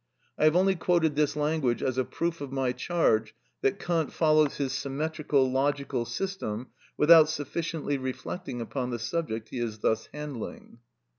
I have only quoted this language as a proof of my charge that Kant follows his symmetrical, logical system without sufficiently reflecting upon the subject he is thus handling.